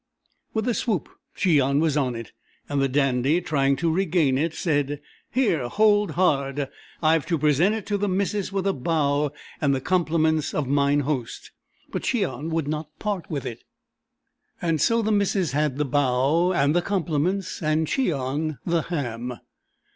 With a swoop Cheon was on it, and the Dandy, trying to regain it, said, "Here, hold hard! I've to present it to the missus with a bow and the compliments of Mine Host." But Cheon would not part with it, and so the missus had the bow and the compliments, and Cheon the ham.